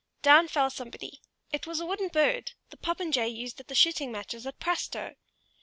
down fell somebody: it was a wooden bird, the popinjay used at the shooting matches at Prastoe.